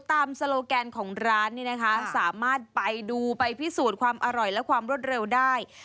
โซโลแกนของร้านนี่นะคะสามารถไปดูไปพิสูจน์ความอร่อยและความรวดเร็วได้